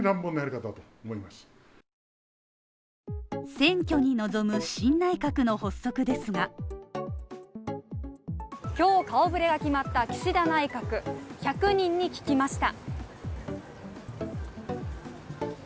選挙に臨む新内閣の発足ですが今日顔触れが決まった岸田新内閣、１００人に聞きました。